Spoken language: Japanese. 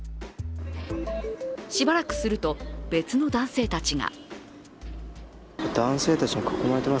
しばらくすると別の男性たちが。